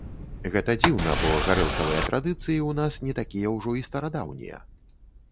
Гэта дзіўна, бо гарэлкавыя традыцыі ў нас не такія ўжо і старадаўнія.